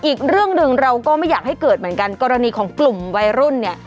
อีกเรื่องหนึ่งเราก็ไม่อยากให้เกิดเหมือนกันกรณีของกลุ่มวัยรุ่นเนี่ย